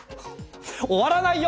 終わらないよ！